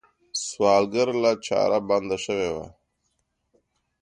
سوالګر له چاره بنده شوی وي